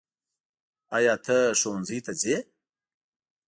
ایا ته ښؤونځي ته څې؟